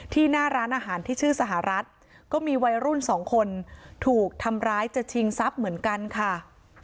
หน้าร้านอาหารที่ชื่อสหรัฐก็มีวัยรุ่นสองคนถูกทำร้ายจะชิงทรัพย์เหมือนกันค่ะ